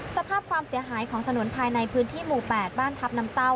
สภาพความเสียหายของถนนภายในพื้นที่หมู่๘บ้านทัพน้ำเต้า